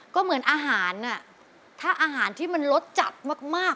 ก็เหมือนอาหารถ้าอาหารที่มันรสจัดมาก